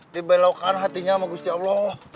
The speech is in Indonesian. dibelokkan hatinya sama gusti allah